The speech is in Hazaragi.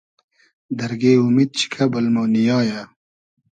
دئرگݷ اومید چیکۂ بئل مۉ نییایۂ